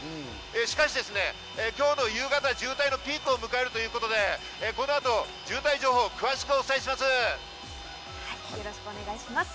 しかし、今日の夕方に渋滞のピークを迎えるということで、この後、渋滞情報を詳しくお伝えします。